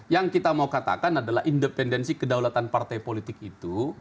yang kita mau katakan adalah independensi kedaulatan partai politik itu